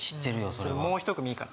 それはもう一組いいかな？